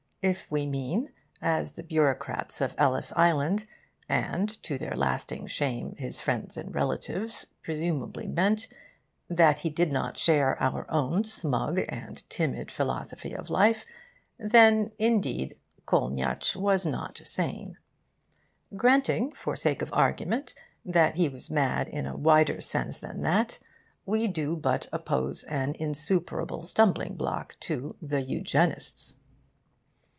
If we mean, as the bureaucrats of Ellis Island and, to their lasting shame, his friends and relations presumably meant, that he did not share our own smug and timid philosophy of life, then indeed was Kolniyatsch not sane. Granting for sake of argument that he was mad in a wider sense than that, we do but oppose an insuperable stumbling block to the Eugenists.